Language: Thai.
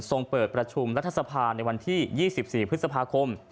เปิดประชุมรัฐสภาในวันที่๒๔พฤษภาคม